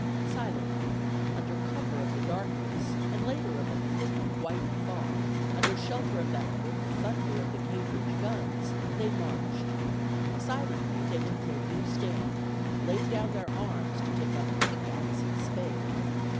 Silently, under cover of the darkness, and later of a thick white fog, under shelter of that good thunder of the Cambridge guns, they marched; silently, they took their new stand, laid down their arms to take up pickaxe and spade.